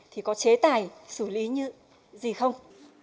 thì có chế tài xử lý như gì không